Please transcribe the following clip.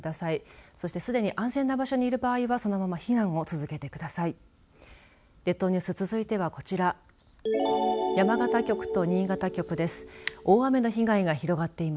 そしてすでに安全な場所にいる場合はそのまま避難を続けてください。